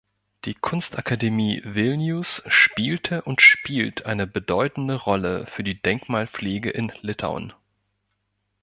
Die Kunstakademie Vilnius spielte und spielt eine bedeutende Rolle für die Denkmalpflege in Litauen.